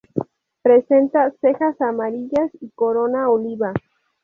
Presenta cejas amarillas y corona oliva.